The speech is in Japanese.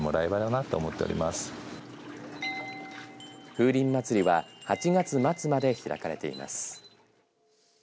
風鈴まつりは８月末まで開かれています。